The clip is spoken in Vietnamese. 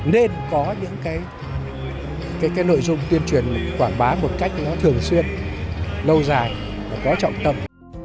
nên có những cái nội dung tuyên truyền quảng bá một cách nó thường xuyên lâu dài và có trọng tâm